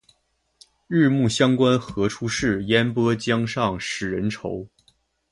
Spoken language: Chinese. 日暮乡关何处是？烟波江上使人愁。